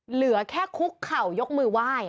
เหลือแค่คุกเข่ายกมือไหว้